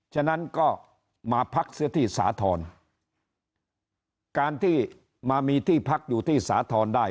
ฉะนั้นก็มาพักเสียที่สาธรณ์การที่มามีที่พักอยู่ที่สาธรณ์ได้